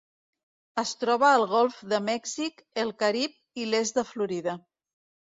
Es troba al Golf de Mèxic, el Carib i l'est de Florida.